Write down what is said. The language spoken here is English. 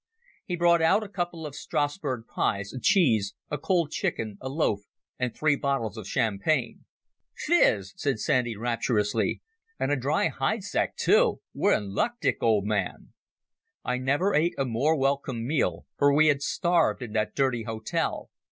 He brought out a couple of Strassburg pies, a cheese, a cold chicken, a loaf, and three bottles of champagne. "Fizz," said Sandy rapturously. "And a dry Heidsieck too! We're in luck, Dick, old man." I never ate a more welcome meal, for we had starved in that dirty hotel.